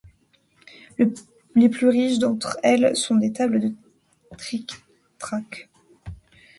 Les plus riches d'entre elles sont des tables de trictrac.